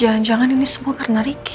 apa jangan jangan ini semua karena riki